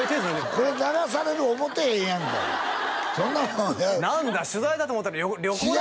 これ流される思うてへんやんかそんなもん何だ取材だと思ったら旅行だったんですね